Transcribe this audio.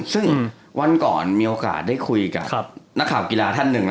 ซึ่งวันก่อนมีโอกาสได้คุยกับนักข่าวกีฬาท่านหนึ่ง